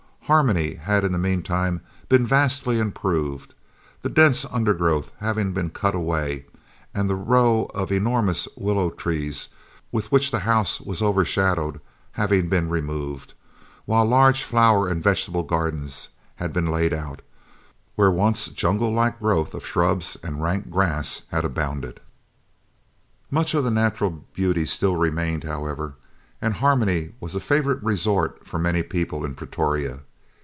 Harmony had in the meantime been vastly improved, the dense undergrowth having been cut away, and the row of enormous willow trees, with which the house was overshadowed, having been removed, while large flower and vegetable gardens had been laid out, where once a jungle like growth of shrubs and rank grass had abounded. Much of the natural beauty still remained, however, and Harmony was a favourite resort for many people in Pretoria.